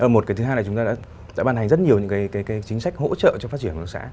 một cái thứ hai là chúng ta đã ban hành rất nhiều những cái chính sách hỗ trợ cho phát triển hợp tác xã